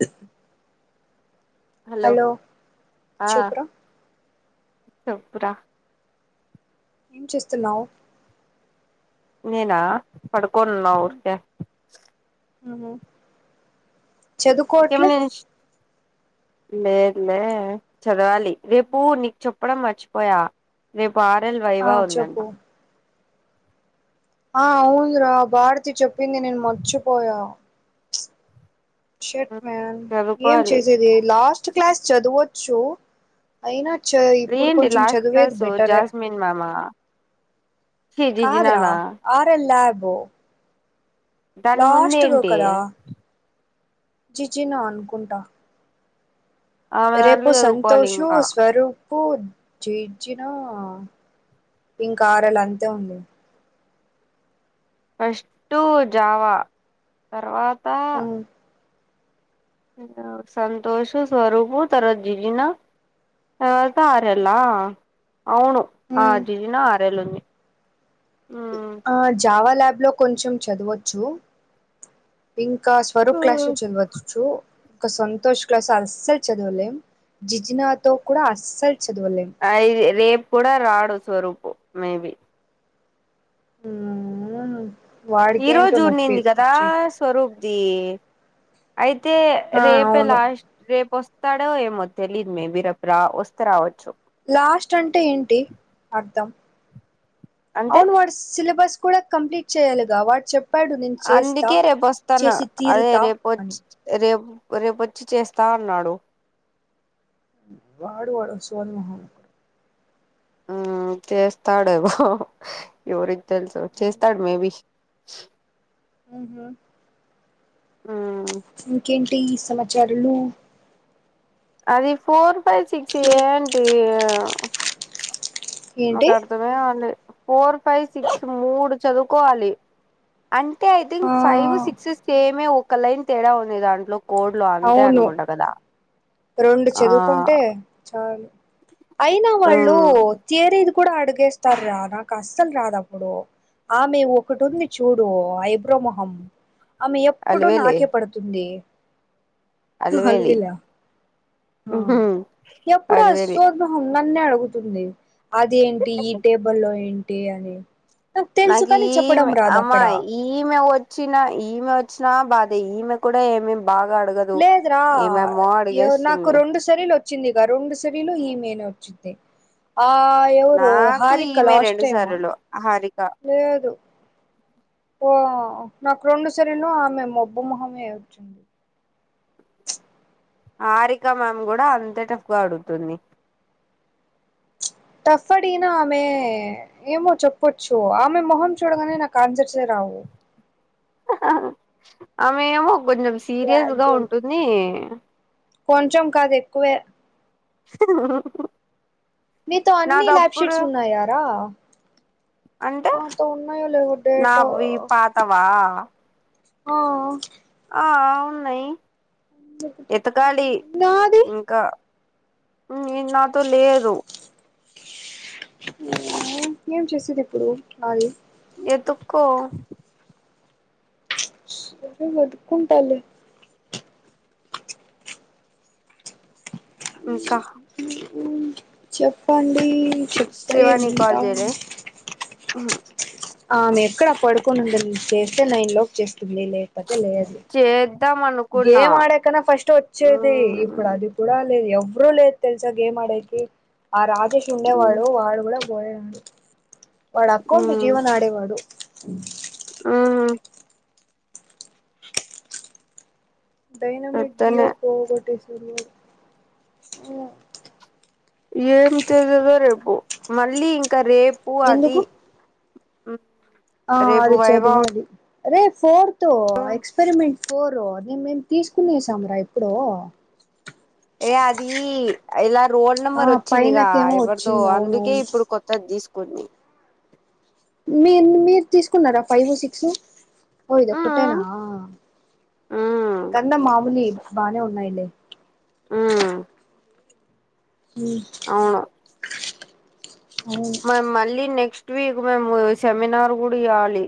[inaudible] Hello చెప్పురా చెప్పు రా. ఏం చేస్తున్నావు. నేనా పడుక్ కొన్నా ఊర్కే అవునా చదుకోట్లే మే మే చదావాలి రేపూ నీక్ చెప్ చెప్పడం మర్చిపోయా రేప్ పారెల్ ఆ వైవా ఉందంట చెప్పు ఆ ఉందిరా భారతి చెప్పింది నేను మర్చిపోయా షట్ మ్యాన్ ఏం చదువుకోవాలి చేసేది లాస్ట్ క్లాస్ చదవచ్చు అయినా చి ఇప్పుడు ఏంటి కొంచెం లాస్ట్ చదివేది క్లాసు బెటరే జాస్మిన్ మ్యామా ఛీ కాదురా జిజినానా ఆర్ ఎల్ లర్ ఓ దాని ముందు లాస్ట్ గే ఏంటి కదా జి జీ నే అన్కుంట ఆమె రేపు దాంట్లో చదువుకోవాలి సంతోషు ఇంకా స్వరూపు చీర్చిన ఇంకా ఆరల అంతే ఉంది ఫస్టు జావా తర్వా తా ఉమ్, సంతోషు స్వరూపు తరువాత జీజీనా తర్వాత అరల్లా అవును ఆ ఉమ్. జిజి నా ఆరేలుంది ఆ జావా లాగ లో కొంచెం చదవచ్చు పింక్ ఇంకా స్వరూప్ క్లాస్ లో చదవచ్చచ్చు ఒక సంతోష్ క్లాసులో అస్సలు చదవలేం జిజనాతో కూడా అస్సలు చదవలేం అయి రేపు కూడా రాడు స్వరూపు మే బీ మ్మ్ హ్మ్ ఈ రోజు ఉండింది కదా స్వరూప్ది అయి తే ఆ రేపు అవును లాస్ట్ రేప వస్త తడో ఏమో తెలీదు మే బి రేపురా వస్తే రావచ్చు లాస్ట్ అంటే ఏంటి అర్థం అంటే అవును వాడు సిలబస్ కూడా కంప్లీట్ చేయాలిగా వాడ్ చెప్ అందుకే రేపు వస్తాను అదే తీరుతా రేపు అని వచ్చి రేపు రేపొచ్చి చేస్తా అన్నాడు, వాడు వాడొ సోది మోహం హ్మ్ చేస్తాడే బ ఎవరి తెలుసు చేస్తాడు మేబీ ఊహు మ్మ్ టీ సమచారులు అది ఫోర్ ఫైవ్ సిక్స్ ఏంటి ఆ ఏంటి నాక్ అర్థమే అవంది ఫోర్ ఫైవ్ సిక్స్ మూడు చదువుకోవాలి అంటే ఐ థింక్ ఫైవ్ ఆ సిక్స్ సేమే ఒక్కలయిన్ తేడా ఉంది దాంట్లో కోడ్లు అంతే అనుకుంట కదా రొండు ఆ చదువుకుంటే చాలు అయినా వాళ్ళు ఉమ్ తియరీ కూడా అడిగేస్తారు రా నాకు అస్సలు రాదప్పుడు ఆ మె ఒకటి ఉంది చూడు ఐబ్రో మొహం ఆమె ఎప్పుడు అలివేలే నాకే పడుతుంది. హా అలివేలి అల్వెలా ఆ ఉహు ఎప్పుడు ఆ అలివేలి సోది మొహం నన్నే అడు గుతుంది అదేంటి ఈ టేబుల్ లో ఏంటి అని తెలుసు నాకు కాని చెప్పడం ఈమె రాదు అమ్మా అక్కడ ఈమె వచ్చిన ఈమె వచ్ న బాదే ఈమే కూడా ఏమేమ్ లేద్రా ఎవరు నాకు అడిగేస్తుంది రెండు సనిలు చ్చింది గ రెండుసరిలో ఈమేనే వచ్చింది ఆ ఎవరు నాకు హారిక ఈమె లాస్ట్ రెండు టైము సార్లు హారిక లేదు ఓ నాకు రెండు సరిలు ఆమె మొబ్బు మొహమే వచ్చింది ప్చ్ హారిక మ్యామ్ గుడా అంతే టఫ్ గా అడుగుతుంది టఫ్ అడిగినా ఆమె ఏమో చెప్పొచ్చు ఆమె మొహం చూడగానే నాకు ఆన్సర్సే రావు హహ ఆమె ఎమో కొంచెం సీరియస్ బ్యాడ్ గా గర్ల్ ఉంటుంది కొంచెం కాదు ఎక్కువే నీతో అన్ని ల్యాబ్ నాదప్పుడు షీట్స్ ఉన్నాయా రా అంటే లేవో డేట్ నావి పాతవా ఆ ఆ ఉన్నయ్ నాది నీది నాతో లేదు ఏం చేసేది ఇప్పుడు నాది ఎతుక్కో సరే వెత్కుంటాలే ఇంకా ఉమ్ చెప్పండి చెప్తే శ్రీవాని కాల్ వింటాం చెయలే ఆమె ఎక్కడ పడుకొనీంటది చేస్తే నైన్ లోపు చేస్తుంది లేక చేద్దాం అనుకున్నా గేమ్ ఆడేకన్న ఫస్ట్ వచ్చేది ఇప్పుడు అది కూడా ఆ లేద్ ఎవ వృ లేరు తెల్సా గేమ్ ఆడేకి ఆ రాజేష్ ఉండేవాడు వాడు కూడా పోయాడు వాడా అకౌంటు జీవన్ ఆడేవాడు [inaudible] డైనమిక్ టీయో అట్లనే ఫోగోటీస్ ఉమ్ ఏమి చేసేదో రేపు మళ్ళీ ఇం ంకా రేపు అది ఎందుకు ఉం ఆ అది చదవాలి రే ఫోర్త్ ఎక్స్పెరిమెంట్ ఫోర్ నేను మేము తీసుకునేసాము రా ఎప్పుడో ఏ అది ఇలా రోల్ ఆ నెంబర్ వచ్చిందిగా పైనకేమో ఎవరిదో వచ్చింది అందుకే అవునవును ఇప్పుడు కొత్తది తీసు కొంది మీరు మీరు తీసుకున్నారా ఫైవ్ సిక్స్ ఓ ఇది ఒక్కటేనా ఉమ్ ఉమ్ ఇంకందమ్ మాములి బానే ఉన్నాయిలే ఆ ఉమ్ మరి మళ్ళీ నెక్స్ట్ వీక్ మేము సెమినార్ కూడా ఇయ్యాలీ.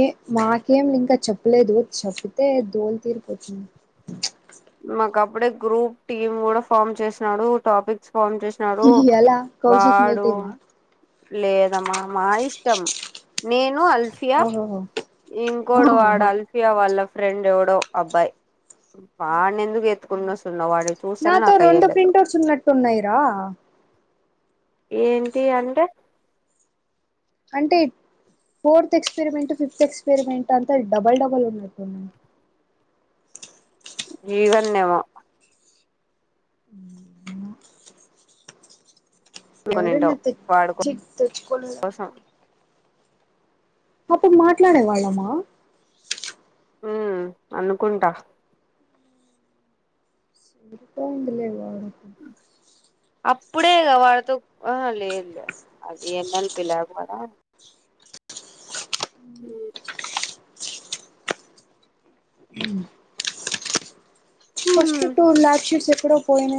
ఏ మాకేం ఇంకా చెప్పలేదు చెప్పితే దోల్ తీరిపోతుంది మాక్ ఒకప్పుడే గ్రూప్ టీమ్ కూడా ఫామ్ చేసినాడు టాపిక్స్ ఫోన్ చేసినాడు ఎలా కౌశిక్ మీ వాడు టీమా లేదమ్మా మా ఇష్టం నేను అల్ఫియా ఓహోహో ఇంకోడు వాడు ఓహోహో అల్ఫియా వాళ్ళ ఫ్రెండ్ ఎవడో అబ్బాయి వాన్ని ఎందుకు ఎత్తుకుని వస్తున్నావ్ వాడిని చూస్తేనే నాతో నాకు రెండు అయ్యలేదు ప్రింటర్స్ ఉన్నట్టు ఉన్నాయిరా ఏంటి అంటే అంటే ఫోర్త్ ఎక్స్పెరిమెంట్ ఫిఫ్త్ ఎక్స్పెరిమెంట్ అంతా డబల్ డబల్ ఉన్నట్టుఉంది జీవన నేమో ఎవరనా అనుకునింటావు వాడి తెచ్చి కోసం తెచ్చుకోలేదంటే అప్పుడు మాట్లాడే వాళ్ళమా ఉ అనుకుంటా సరిపోయిందిలే అప్పుడే వాడితో ఆ అ లే ఇలే అది ఏ నలపిలే ఆకువారా హ ఫస్ట్ టూర్ ల్యాక్షస్ ఎప్పుడ పోయినా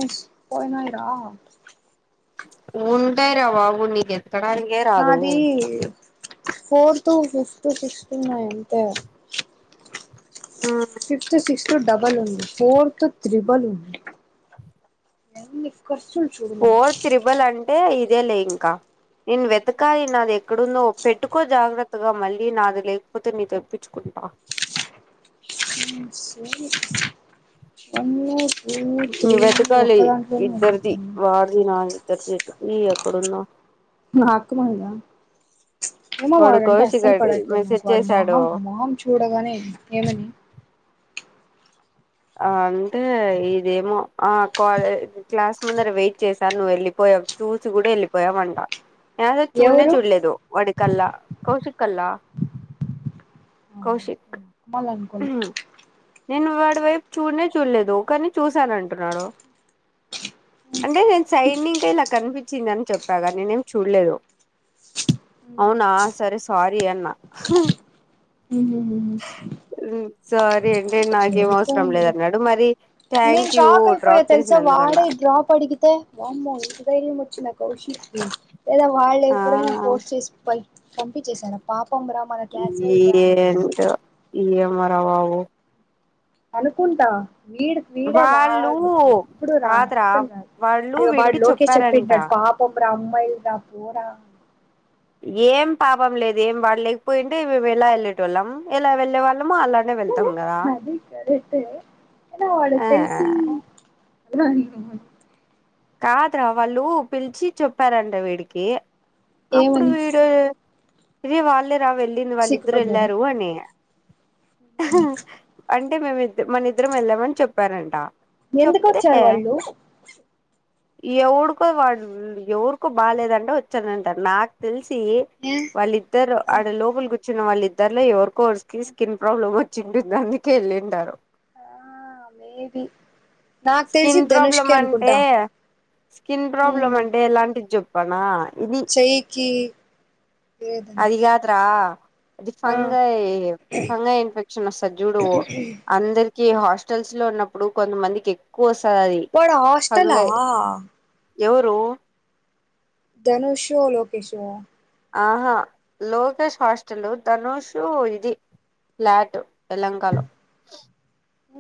పోయినాయ రా ఉంటయి రా బాబు నీకెందుకు క్కనాలకే రాదు ఫోర్ టూ ఫిఫ్టీ సిక్స్టీ ఉన్నాయంటే ఫిఫ్త్ సిక్ టు డబల్ ఉంది ఫోర్ త్రిబల్ ఉంది [inaudible] నువ్వు ఫోర్ త్రిబల్ అంటే ఇ ఇదే లే ఇంకా నేను వెతకాయి నాది ఎక్కడుందో పెట్టుకో జాగ్రత్తగా మళ్ళీ నాది లేకపోతే నీ తెప్పించుకుంటా స్ హ్ మ [inaudible] వెతకాలి ఇద్దర్ది వార్ది నాది టాచెత్ నా అకుమంద ఉమ వాడు వాడంటే కౌశిక్ అస్సలు గాడు పడట్లేదు నాకు మెసేజ్ వాడు మొహం చేసాడు మొహం చూడగానే ఏమని ఆ అంటే ఇదేమో ఆ క్లాస్ ముందర వెయిట్ చేశారు నువ్వు వెళ్ళిపోయావు చూసి కూడా వెళ్ళిపోయావంట ఏద చూడనే ఎవరు చూడలేదు వడికల్లా కౌ కలా కౌశక్ నేను అక్మల్ నిన్న వడ అటు వైపు చూడనే చూడలేదు కాని చూసాను అంటున్నాడు అంటే నేను సైడ్ ఇంకా ఇలా కనిపించింది అని చెప్పాగా నేనేం చూడలేదు అవునా అనుకున్నా సరే సారీ అన్నా హ ఉ సరే సరిపోయింది లే నేను థ్యాంక్ యూ షాక్ అయిపోయా డ్రాప్ తెలిసా చేసినందుకన్నా వాడే డ్రాప్ అడిగితే వామ్మో ఇంత ధైర్యము ఇచ్చినా కౌశిక్ కి లేదా వాళ్ళు ఆ ఎవరైనా పోర్స్ చేసి పై పంపి చేశారా పాప పాపం రా మన క్లాస్ ఒళ్ళు రా అని ఈ ఏమోరా బాబు అనుకుంటా వీడు వీడే వాళ్ళు రాదు ఎప్పుడు రా కాదురా అసలు రాదు వాళ్ళు వాడు వీడికి ఇంకా లోకేష్ చెప్పారంట చెప్పింటాడు పాపం రా అమ్మాయిలు అయిందా పోరా ఏం పాపం లేదు ఏం వాడలేకపోయింటే మేము ఎలా వెళ్ళే టోల్లం ఎలా వెళ్ళే వాళ్ళం అది కరెక్ట్ ఏ కానీ వాడు ఆ తెలిసి అయిన నేను కాదురా వాళ్ళు పిలిచి చెప్పారంట వీడికి అప్పుడు ఏమని వీడు ఇది వాళ్ళే రా వెళ్ళింది వాళ్ళ ఇద్దరు సిగ్గుపడ్డాడా వెళ్లారు అని ఆన్ అంటే మేము ఇద్ద మన ఇద్దరం వెళ్ళామని చెప్పారంట ఎందుకు వచ్చారు వాళ్ళు ఎవరికో వాడు ఎవరికో బాగాలేదంటే వచ్చారంటా నాకు తెలిసి వాళ్ళిద్దరు ఆ ఆడ లోపల కు ఇంకా వాళ్ళిద్దరులో ఎవరికోరీకి స్కిన్ ప్రాబ్లమ్ వచ్చింటుంది అందుకే వెళ్ళి ఉంటారు ఆ మేబి నాకు తెలిసి స్కిన్ ప్రాబ్లం ధనుష్కి అంటే అనుకుంటా స్కిన్ ప్రాబ్లం ఉమ్, అంటే ఎలాంటి చెప్పనా ఇది చెయ్యికి లేదంక అదికాద్ రా అది ఆ ఫంగై ఫంగై ఇన్ఫెక్షన్ వస్తాది జూడు అందరికీ ఈ హాస్టల్స్ లో ఉన్నప్పుడు కొంతమందికి ఎక్కువ వస్తది అది వాడు హాస్టలా ఫంగై ఎవరు ధనుష్ ఉ లోకేష్ ఊ ఆహా లోకేష్ హాస్టలు ధనుషు ఇది ఫ్లాట్ యెల్హంక లో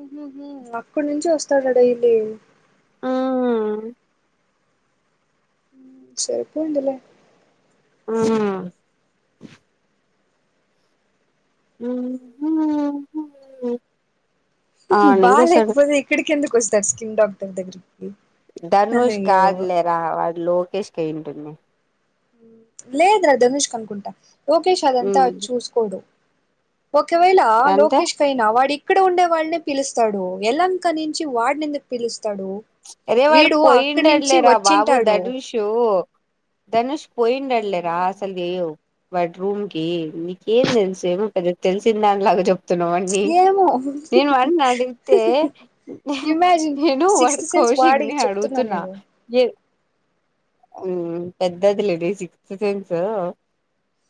ఉహుహు అక్కడి నుంచి వస్తాడ డైలీ ఉమ్... ఉమ్ సరిపోయింది లే ఉమ్ ఉమ్ బాలేకపోతే ఇక్కడికి కిందకొస్తారు స్కిన్ డాక్టర్ దగ్గరకి ధనుష్ కాదులేరా వాడు లోకేష్ కి అయి ఉంటుంది లేదురా ధనుష్కనుకుంటా లోకేష్ అదంతా చూస్కోడు. ఒకవేళ అంటే లోకేష్కైనా వాడి ఇక్కడ ఉండే వల్లే పిలుస్తాడు ఎలంక నుంచి వాడ్నేందుకు పిలుస్ అరే వాడు పోయిండడు నుంచి లేరా బాబు వచ్చింటాడు ధనుషూ ధనుష్ పోయిండడు లేరా అసల్ లేవ్ బెడ్ రూమ్కి నీకేం తెలుసేం పెద్ద తెలిసిన దానిలాగా చెప్ తున్నావ్ అన్ని ఏమో నేను వాడ్ని అడిగితే నే ఇమాజిన్ నేను వాడు సిక్స్త్ సెన్స్ వాడి కౌశిక్గా చెప్తున్నా అడుగుతున్న నేను ఏ హ్మ్ పెద్దది లేదే సిక్స్త్ సెన్స్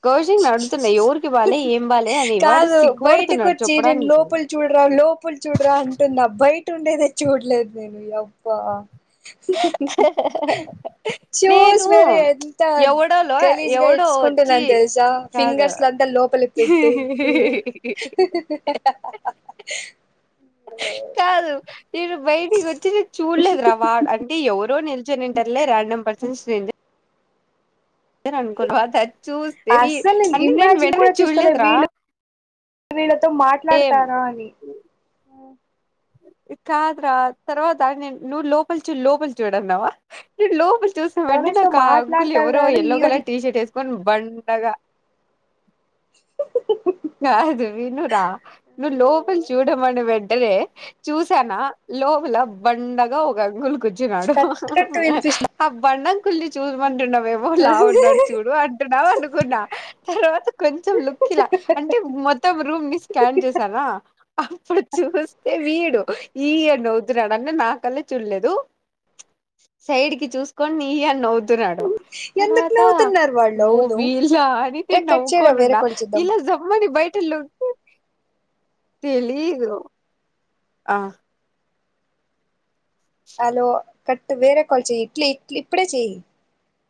కౌశిక్ అడుగుతున్నా ఎవరికి బాలే ఏం బాలే అని వాడు కాదు బయటికి సిగ్గుపడుతున్నాడు వచ్చి నేను చెప్పడానికి లోపల చూడరా లోపల చూడరా అంటున్నా బయట ఉండేదే చూడ్లేదు నేను నియబ్బ చూస్ నేను వేరే ఎంత ఎవడోలో గలీజ్గా ఎవడో ఇట్స్కుంటుద వచ్చి తెల్సా కాదు ఫింగర్స్ లంతా లోపల పెట్టి కాదు. నేను బయటికి వచ్చి నేన్ చూడ్లేదురా వ అంటే ఎవరో నిల్ [inaudible] రాండమ్ పర్సన్ స్ట్రేంజర్ ఇద్దర్ అనుకున్నాం అద చూస్తేవి అస్సలు అంటే నేను ఇమాజిన్ వెంటనే కూడా చేసుకోలే చూడ్లేదురా వీళ్ళు వీళ్ళతో ఏం మాట్లాడతారా అని ఇ కాదురా తర్వాత నెన్ నువ్ లోపల్చుడ్ లోపల్చుడ్ అన్నవా లోపల్ చూస్న వెంటనే రమేష్ తో నాక్ ఆ అంకులు మాట్లాడతాడా ఎవరో అని ఈ ఎల్లో రోజు కలర్ టీషర్ట్ ఎస్ కొన్ బండగా కాదు వినురా నువ్ అయ్యో లోపల్ చూడమని వెంటనే చూసానా లోపల బండగా ఒక అంకుల్ కూర్చున్నాడు. కట్ కట్ వినిపిస్తా ఆ బండం అంకుల్ని చూడమంటున్నావేమో లావు ఉన్నాడు చూడు అంటున్నావు అనుకున్నా తర్వాత కొంచెం లుక్ ఇలా అంటే మొత్తం రూమ్ని స్కాన్ చేసానా అప్పుడు చూస్తే వీడు ఈ అని నవ్వుతున్నాడు అంటే నాకల్లే చూడ్లేదు సైడ్కి చూస్కొని ఈ అని నవ్వు తున్నాడు. ఎందుకు తర్వాత నవ్వుతున్నారు వాళ్ళు ఓ అవును వీళ్ళ అని రే నేన్ కట్ చేయరా వేరే నవ్వుకోనున్న కాల్ చేద్దాం ఇలా బయటలో తెలిదు. ఆ హలో కట్ వేరే కాల్ చేయి ఇట్లే ఇప్పుడే చెయి